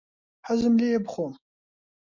حەزم لێیە بخۆم.